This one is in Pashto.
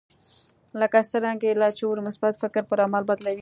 لکه څرنګه چې لاشعور مثبت فکر پر عمل بدلوي